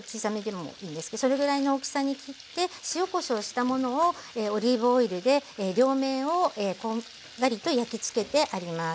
それぐらいの大きさに切って塩・こしょうをしたものをオリーブオイルで両面をこんがりと焼きつけてあります。